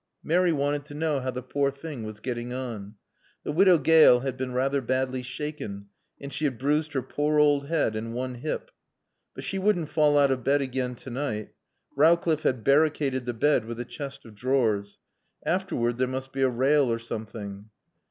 Mary wanted to know how the poor thing was getting on. The Widow Gale had been rather badly shaken and she had bruised her poor old head and one hip. But she wouldn't fall out of bed again to night. Rowcliffe had barricaded the bed with a chest of drawers. Afterward there must be a rail or something.